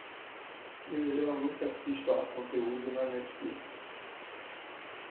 Eu geralmente assisto à conteúdo na Netflix.